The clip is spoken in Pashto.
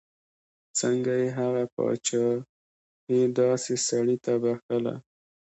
څنګه یې هغه پاچهي داسې سړي ته بخښله.